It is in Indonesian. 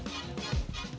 jent giving it all yaa